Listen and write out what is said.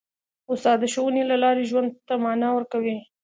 استاد د ښوونې له لارې ژوند ته مانا ورکوي.